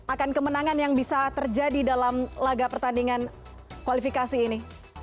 akan kemenangan yang bisa terjadi dalam laga pertandingan kualifikasi ini